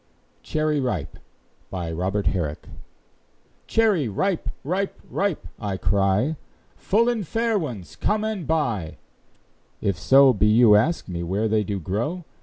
Robert Herrick. CHERRY RIPE. "Cherry ripe, ripe, ripe," I cry, "Full and fair ones come and buy;" If so be you ask me where They do grow?